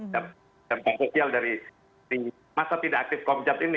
dan sosial dari masa tidak aktif komisat ini